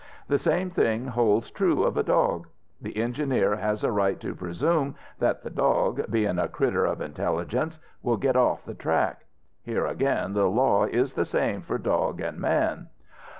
The same thing holds true of a dog. The engineer has a right to presume that the dog, bein' a critter of intelligence, will get off the track. Here again the law is the same for dog an' man.